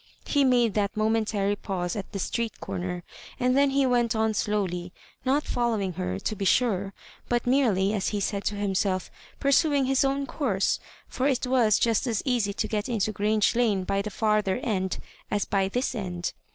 He made that momentary pause at the street corner, and then he went on slowly, not following her, to be'fiure, but merely, as he said to himself, pursuing his own course ; for it was just as easy to get into Grange Lane by the farther end as by this end.